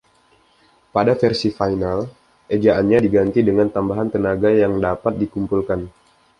Pada versi final, ejaannya diganti dengan tambahan tenaga yang dapat dikumpulkan